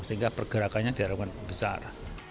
sehingga pergerakannya diharumkan besar